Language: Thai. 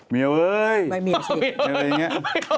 มีวเออะไรอย่างเงี้ย